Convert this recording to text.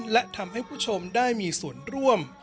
และทำให้ผู้ชมได้มีส่วนร่วม